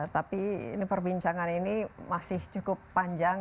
tapi ini perbincangan ini masih cukup panjang